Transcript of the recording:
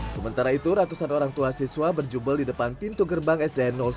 sementara itu ratusan orang tua siswa berjubel di depan pintu gerbang sdn satu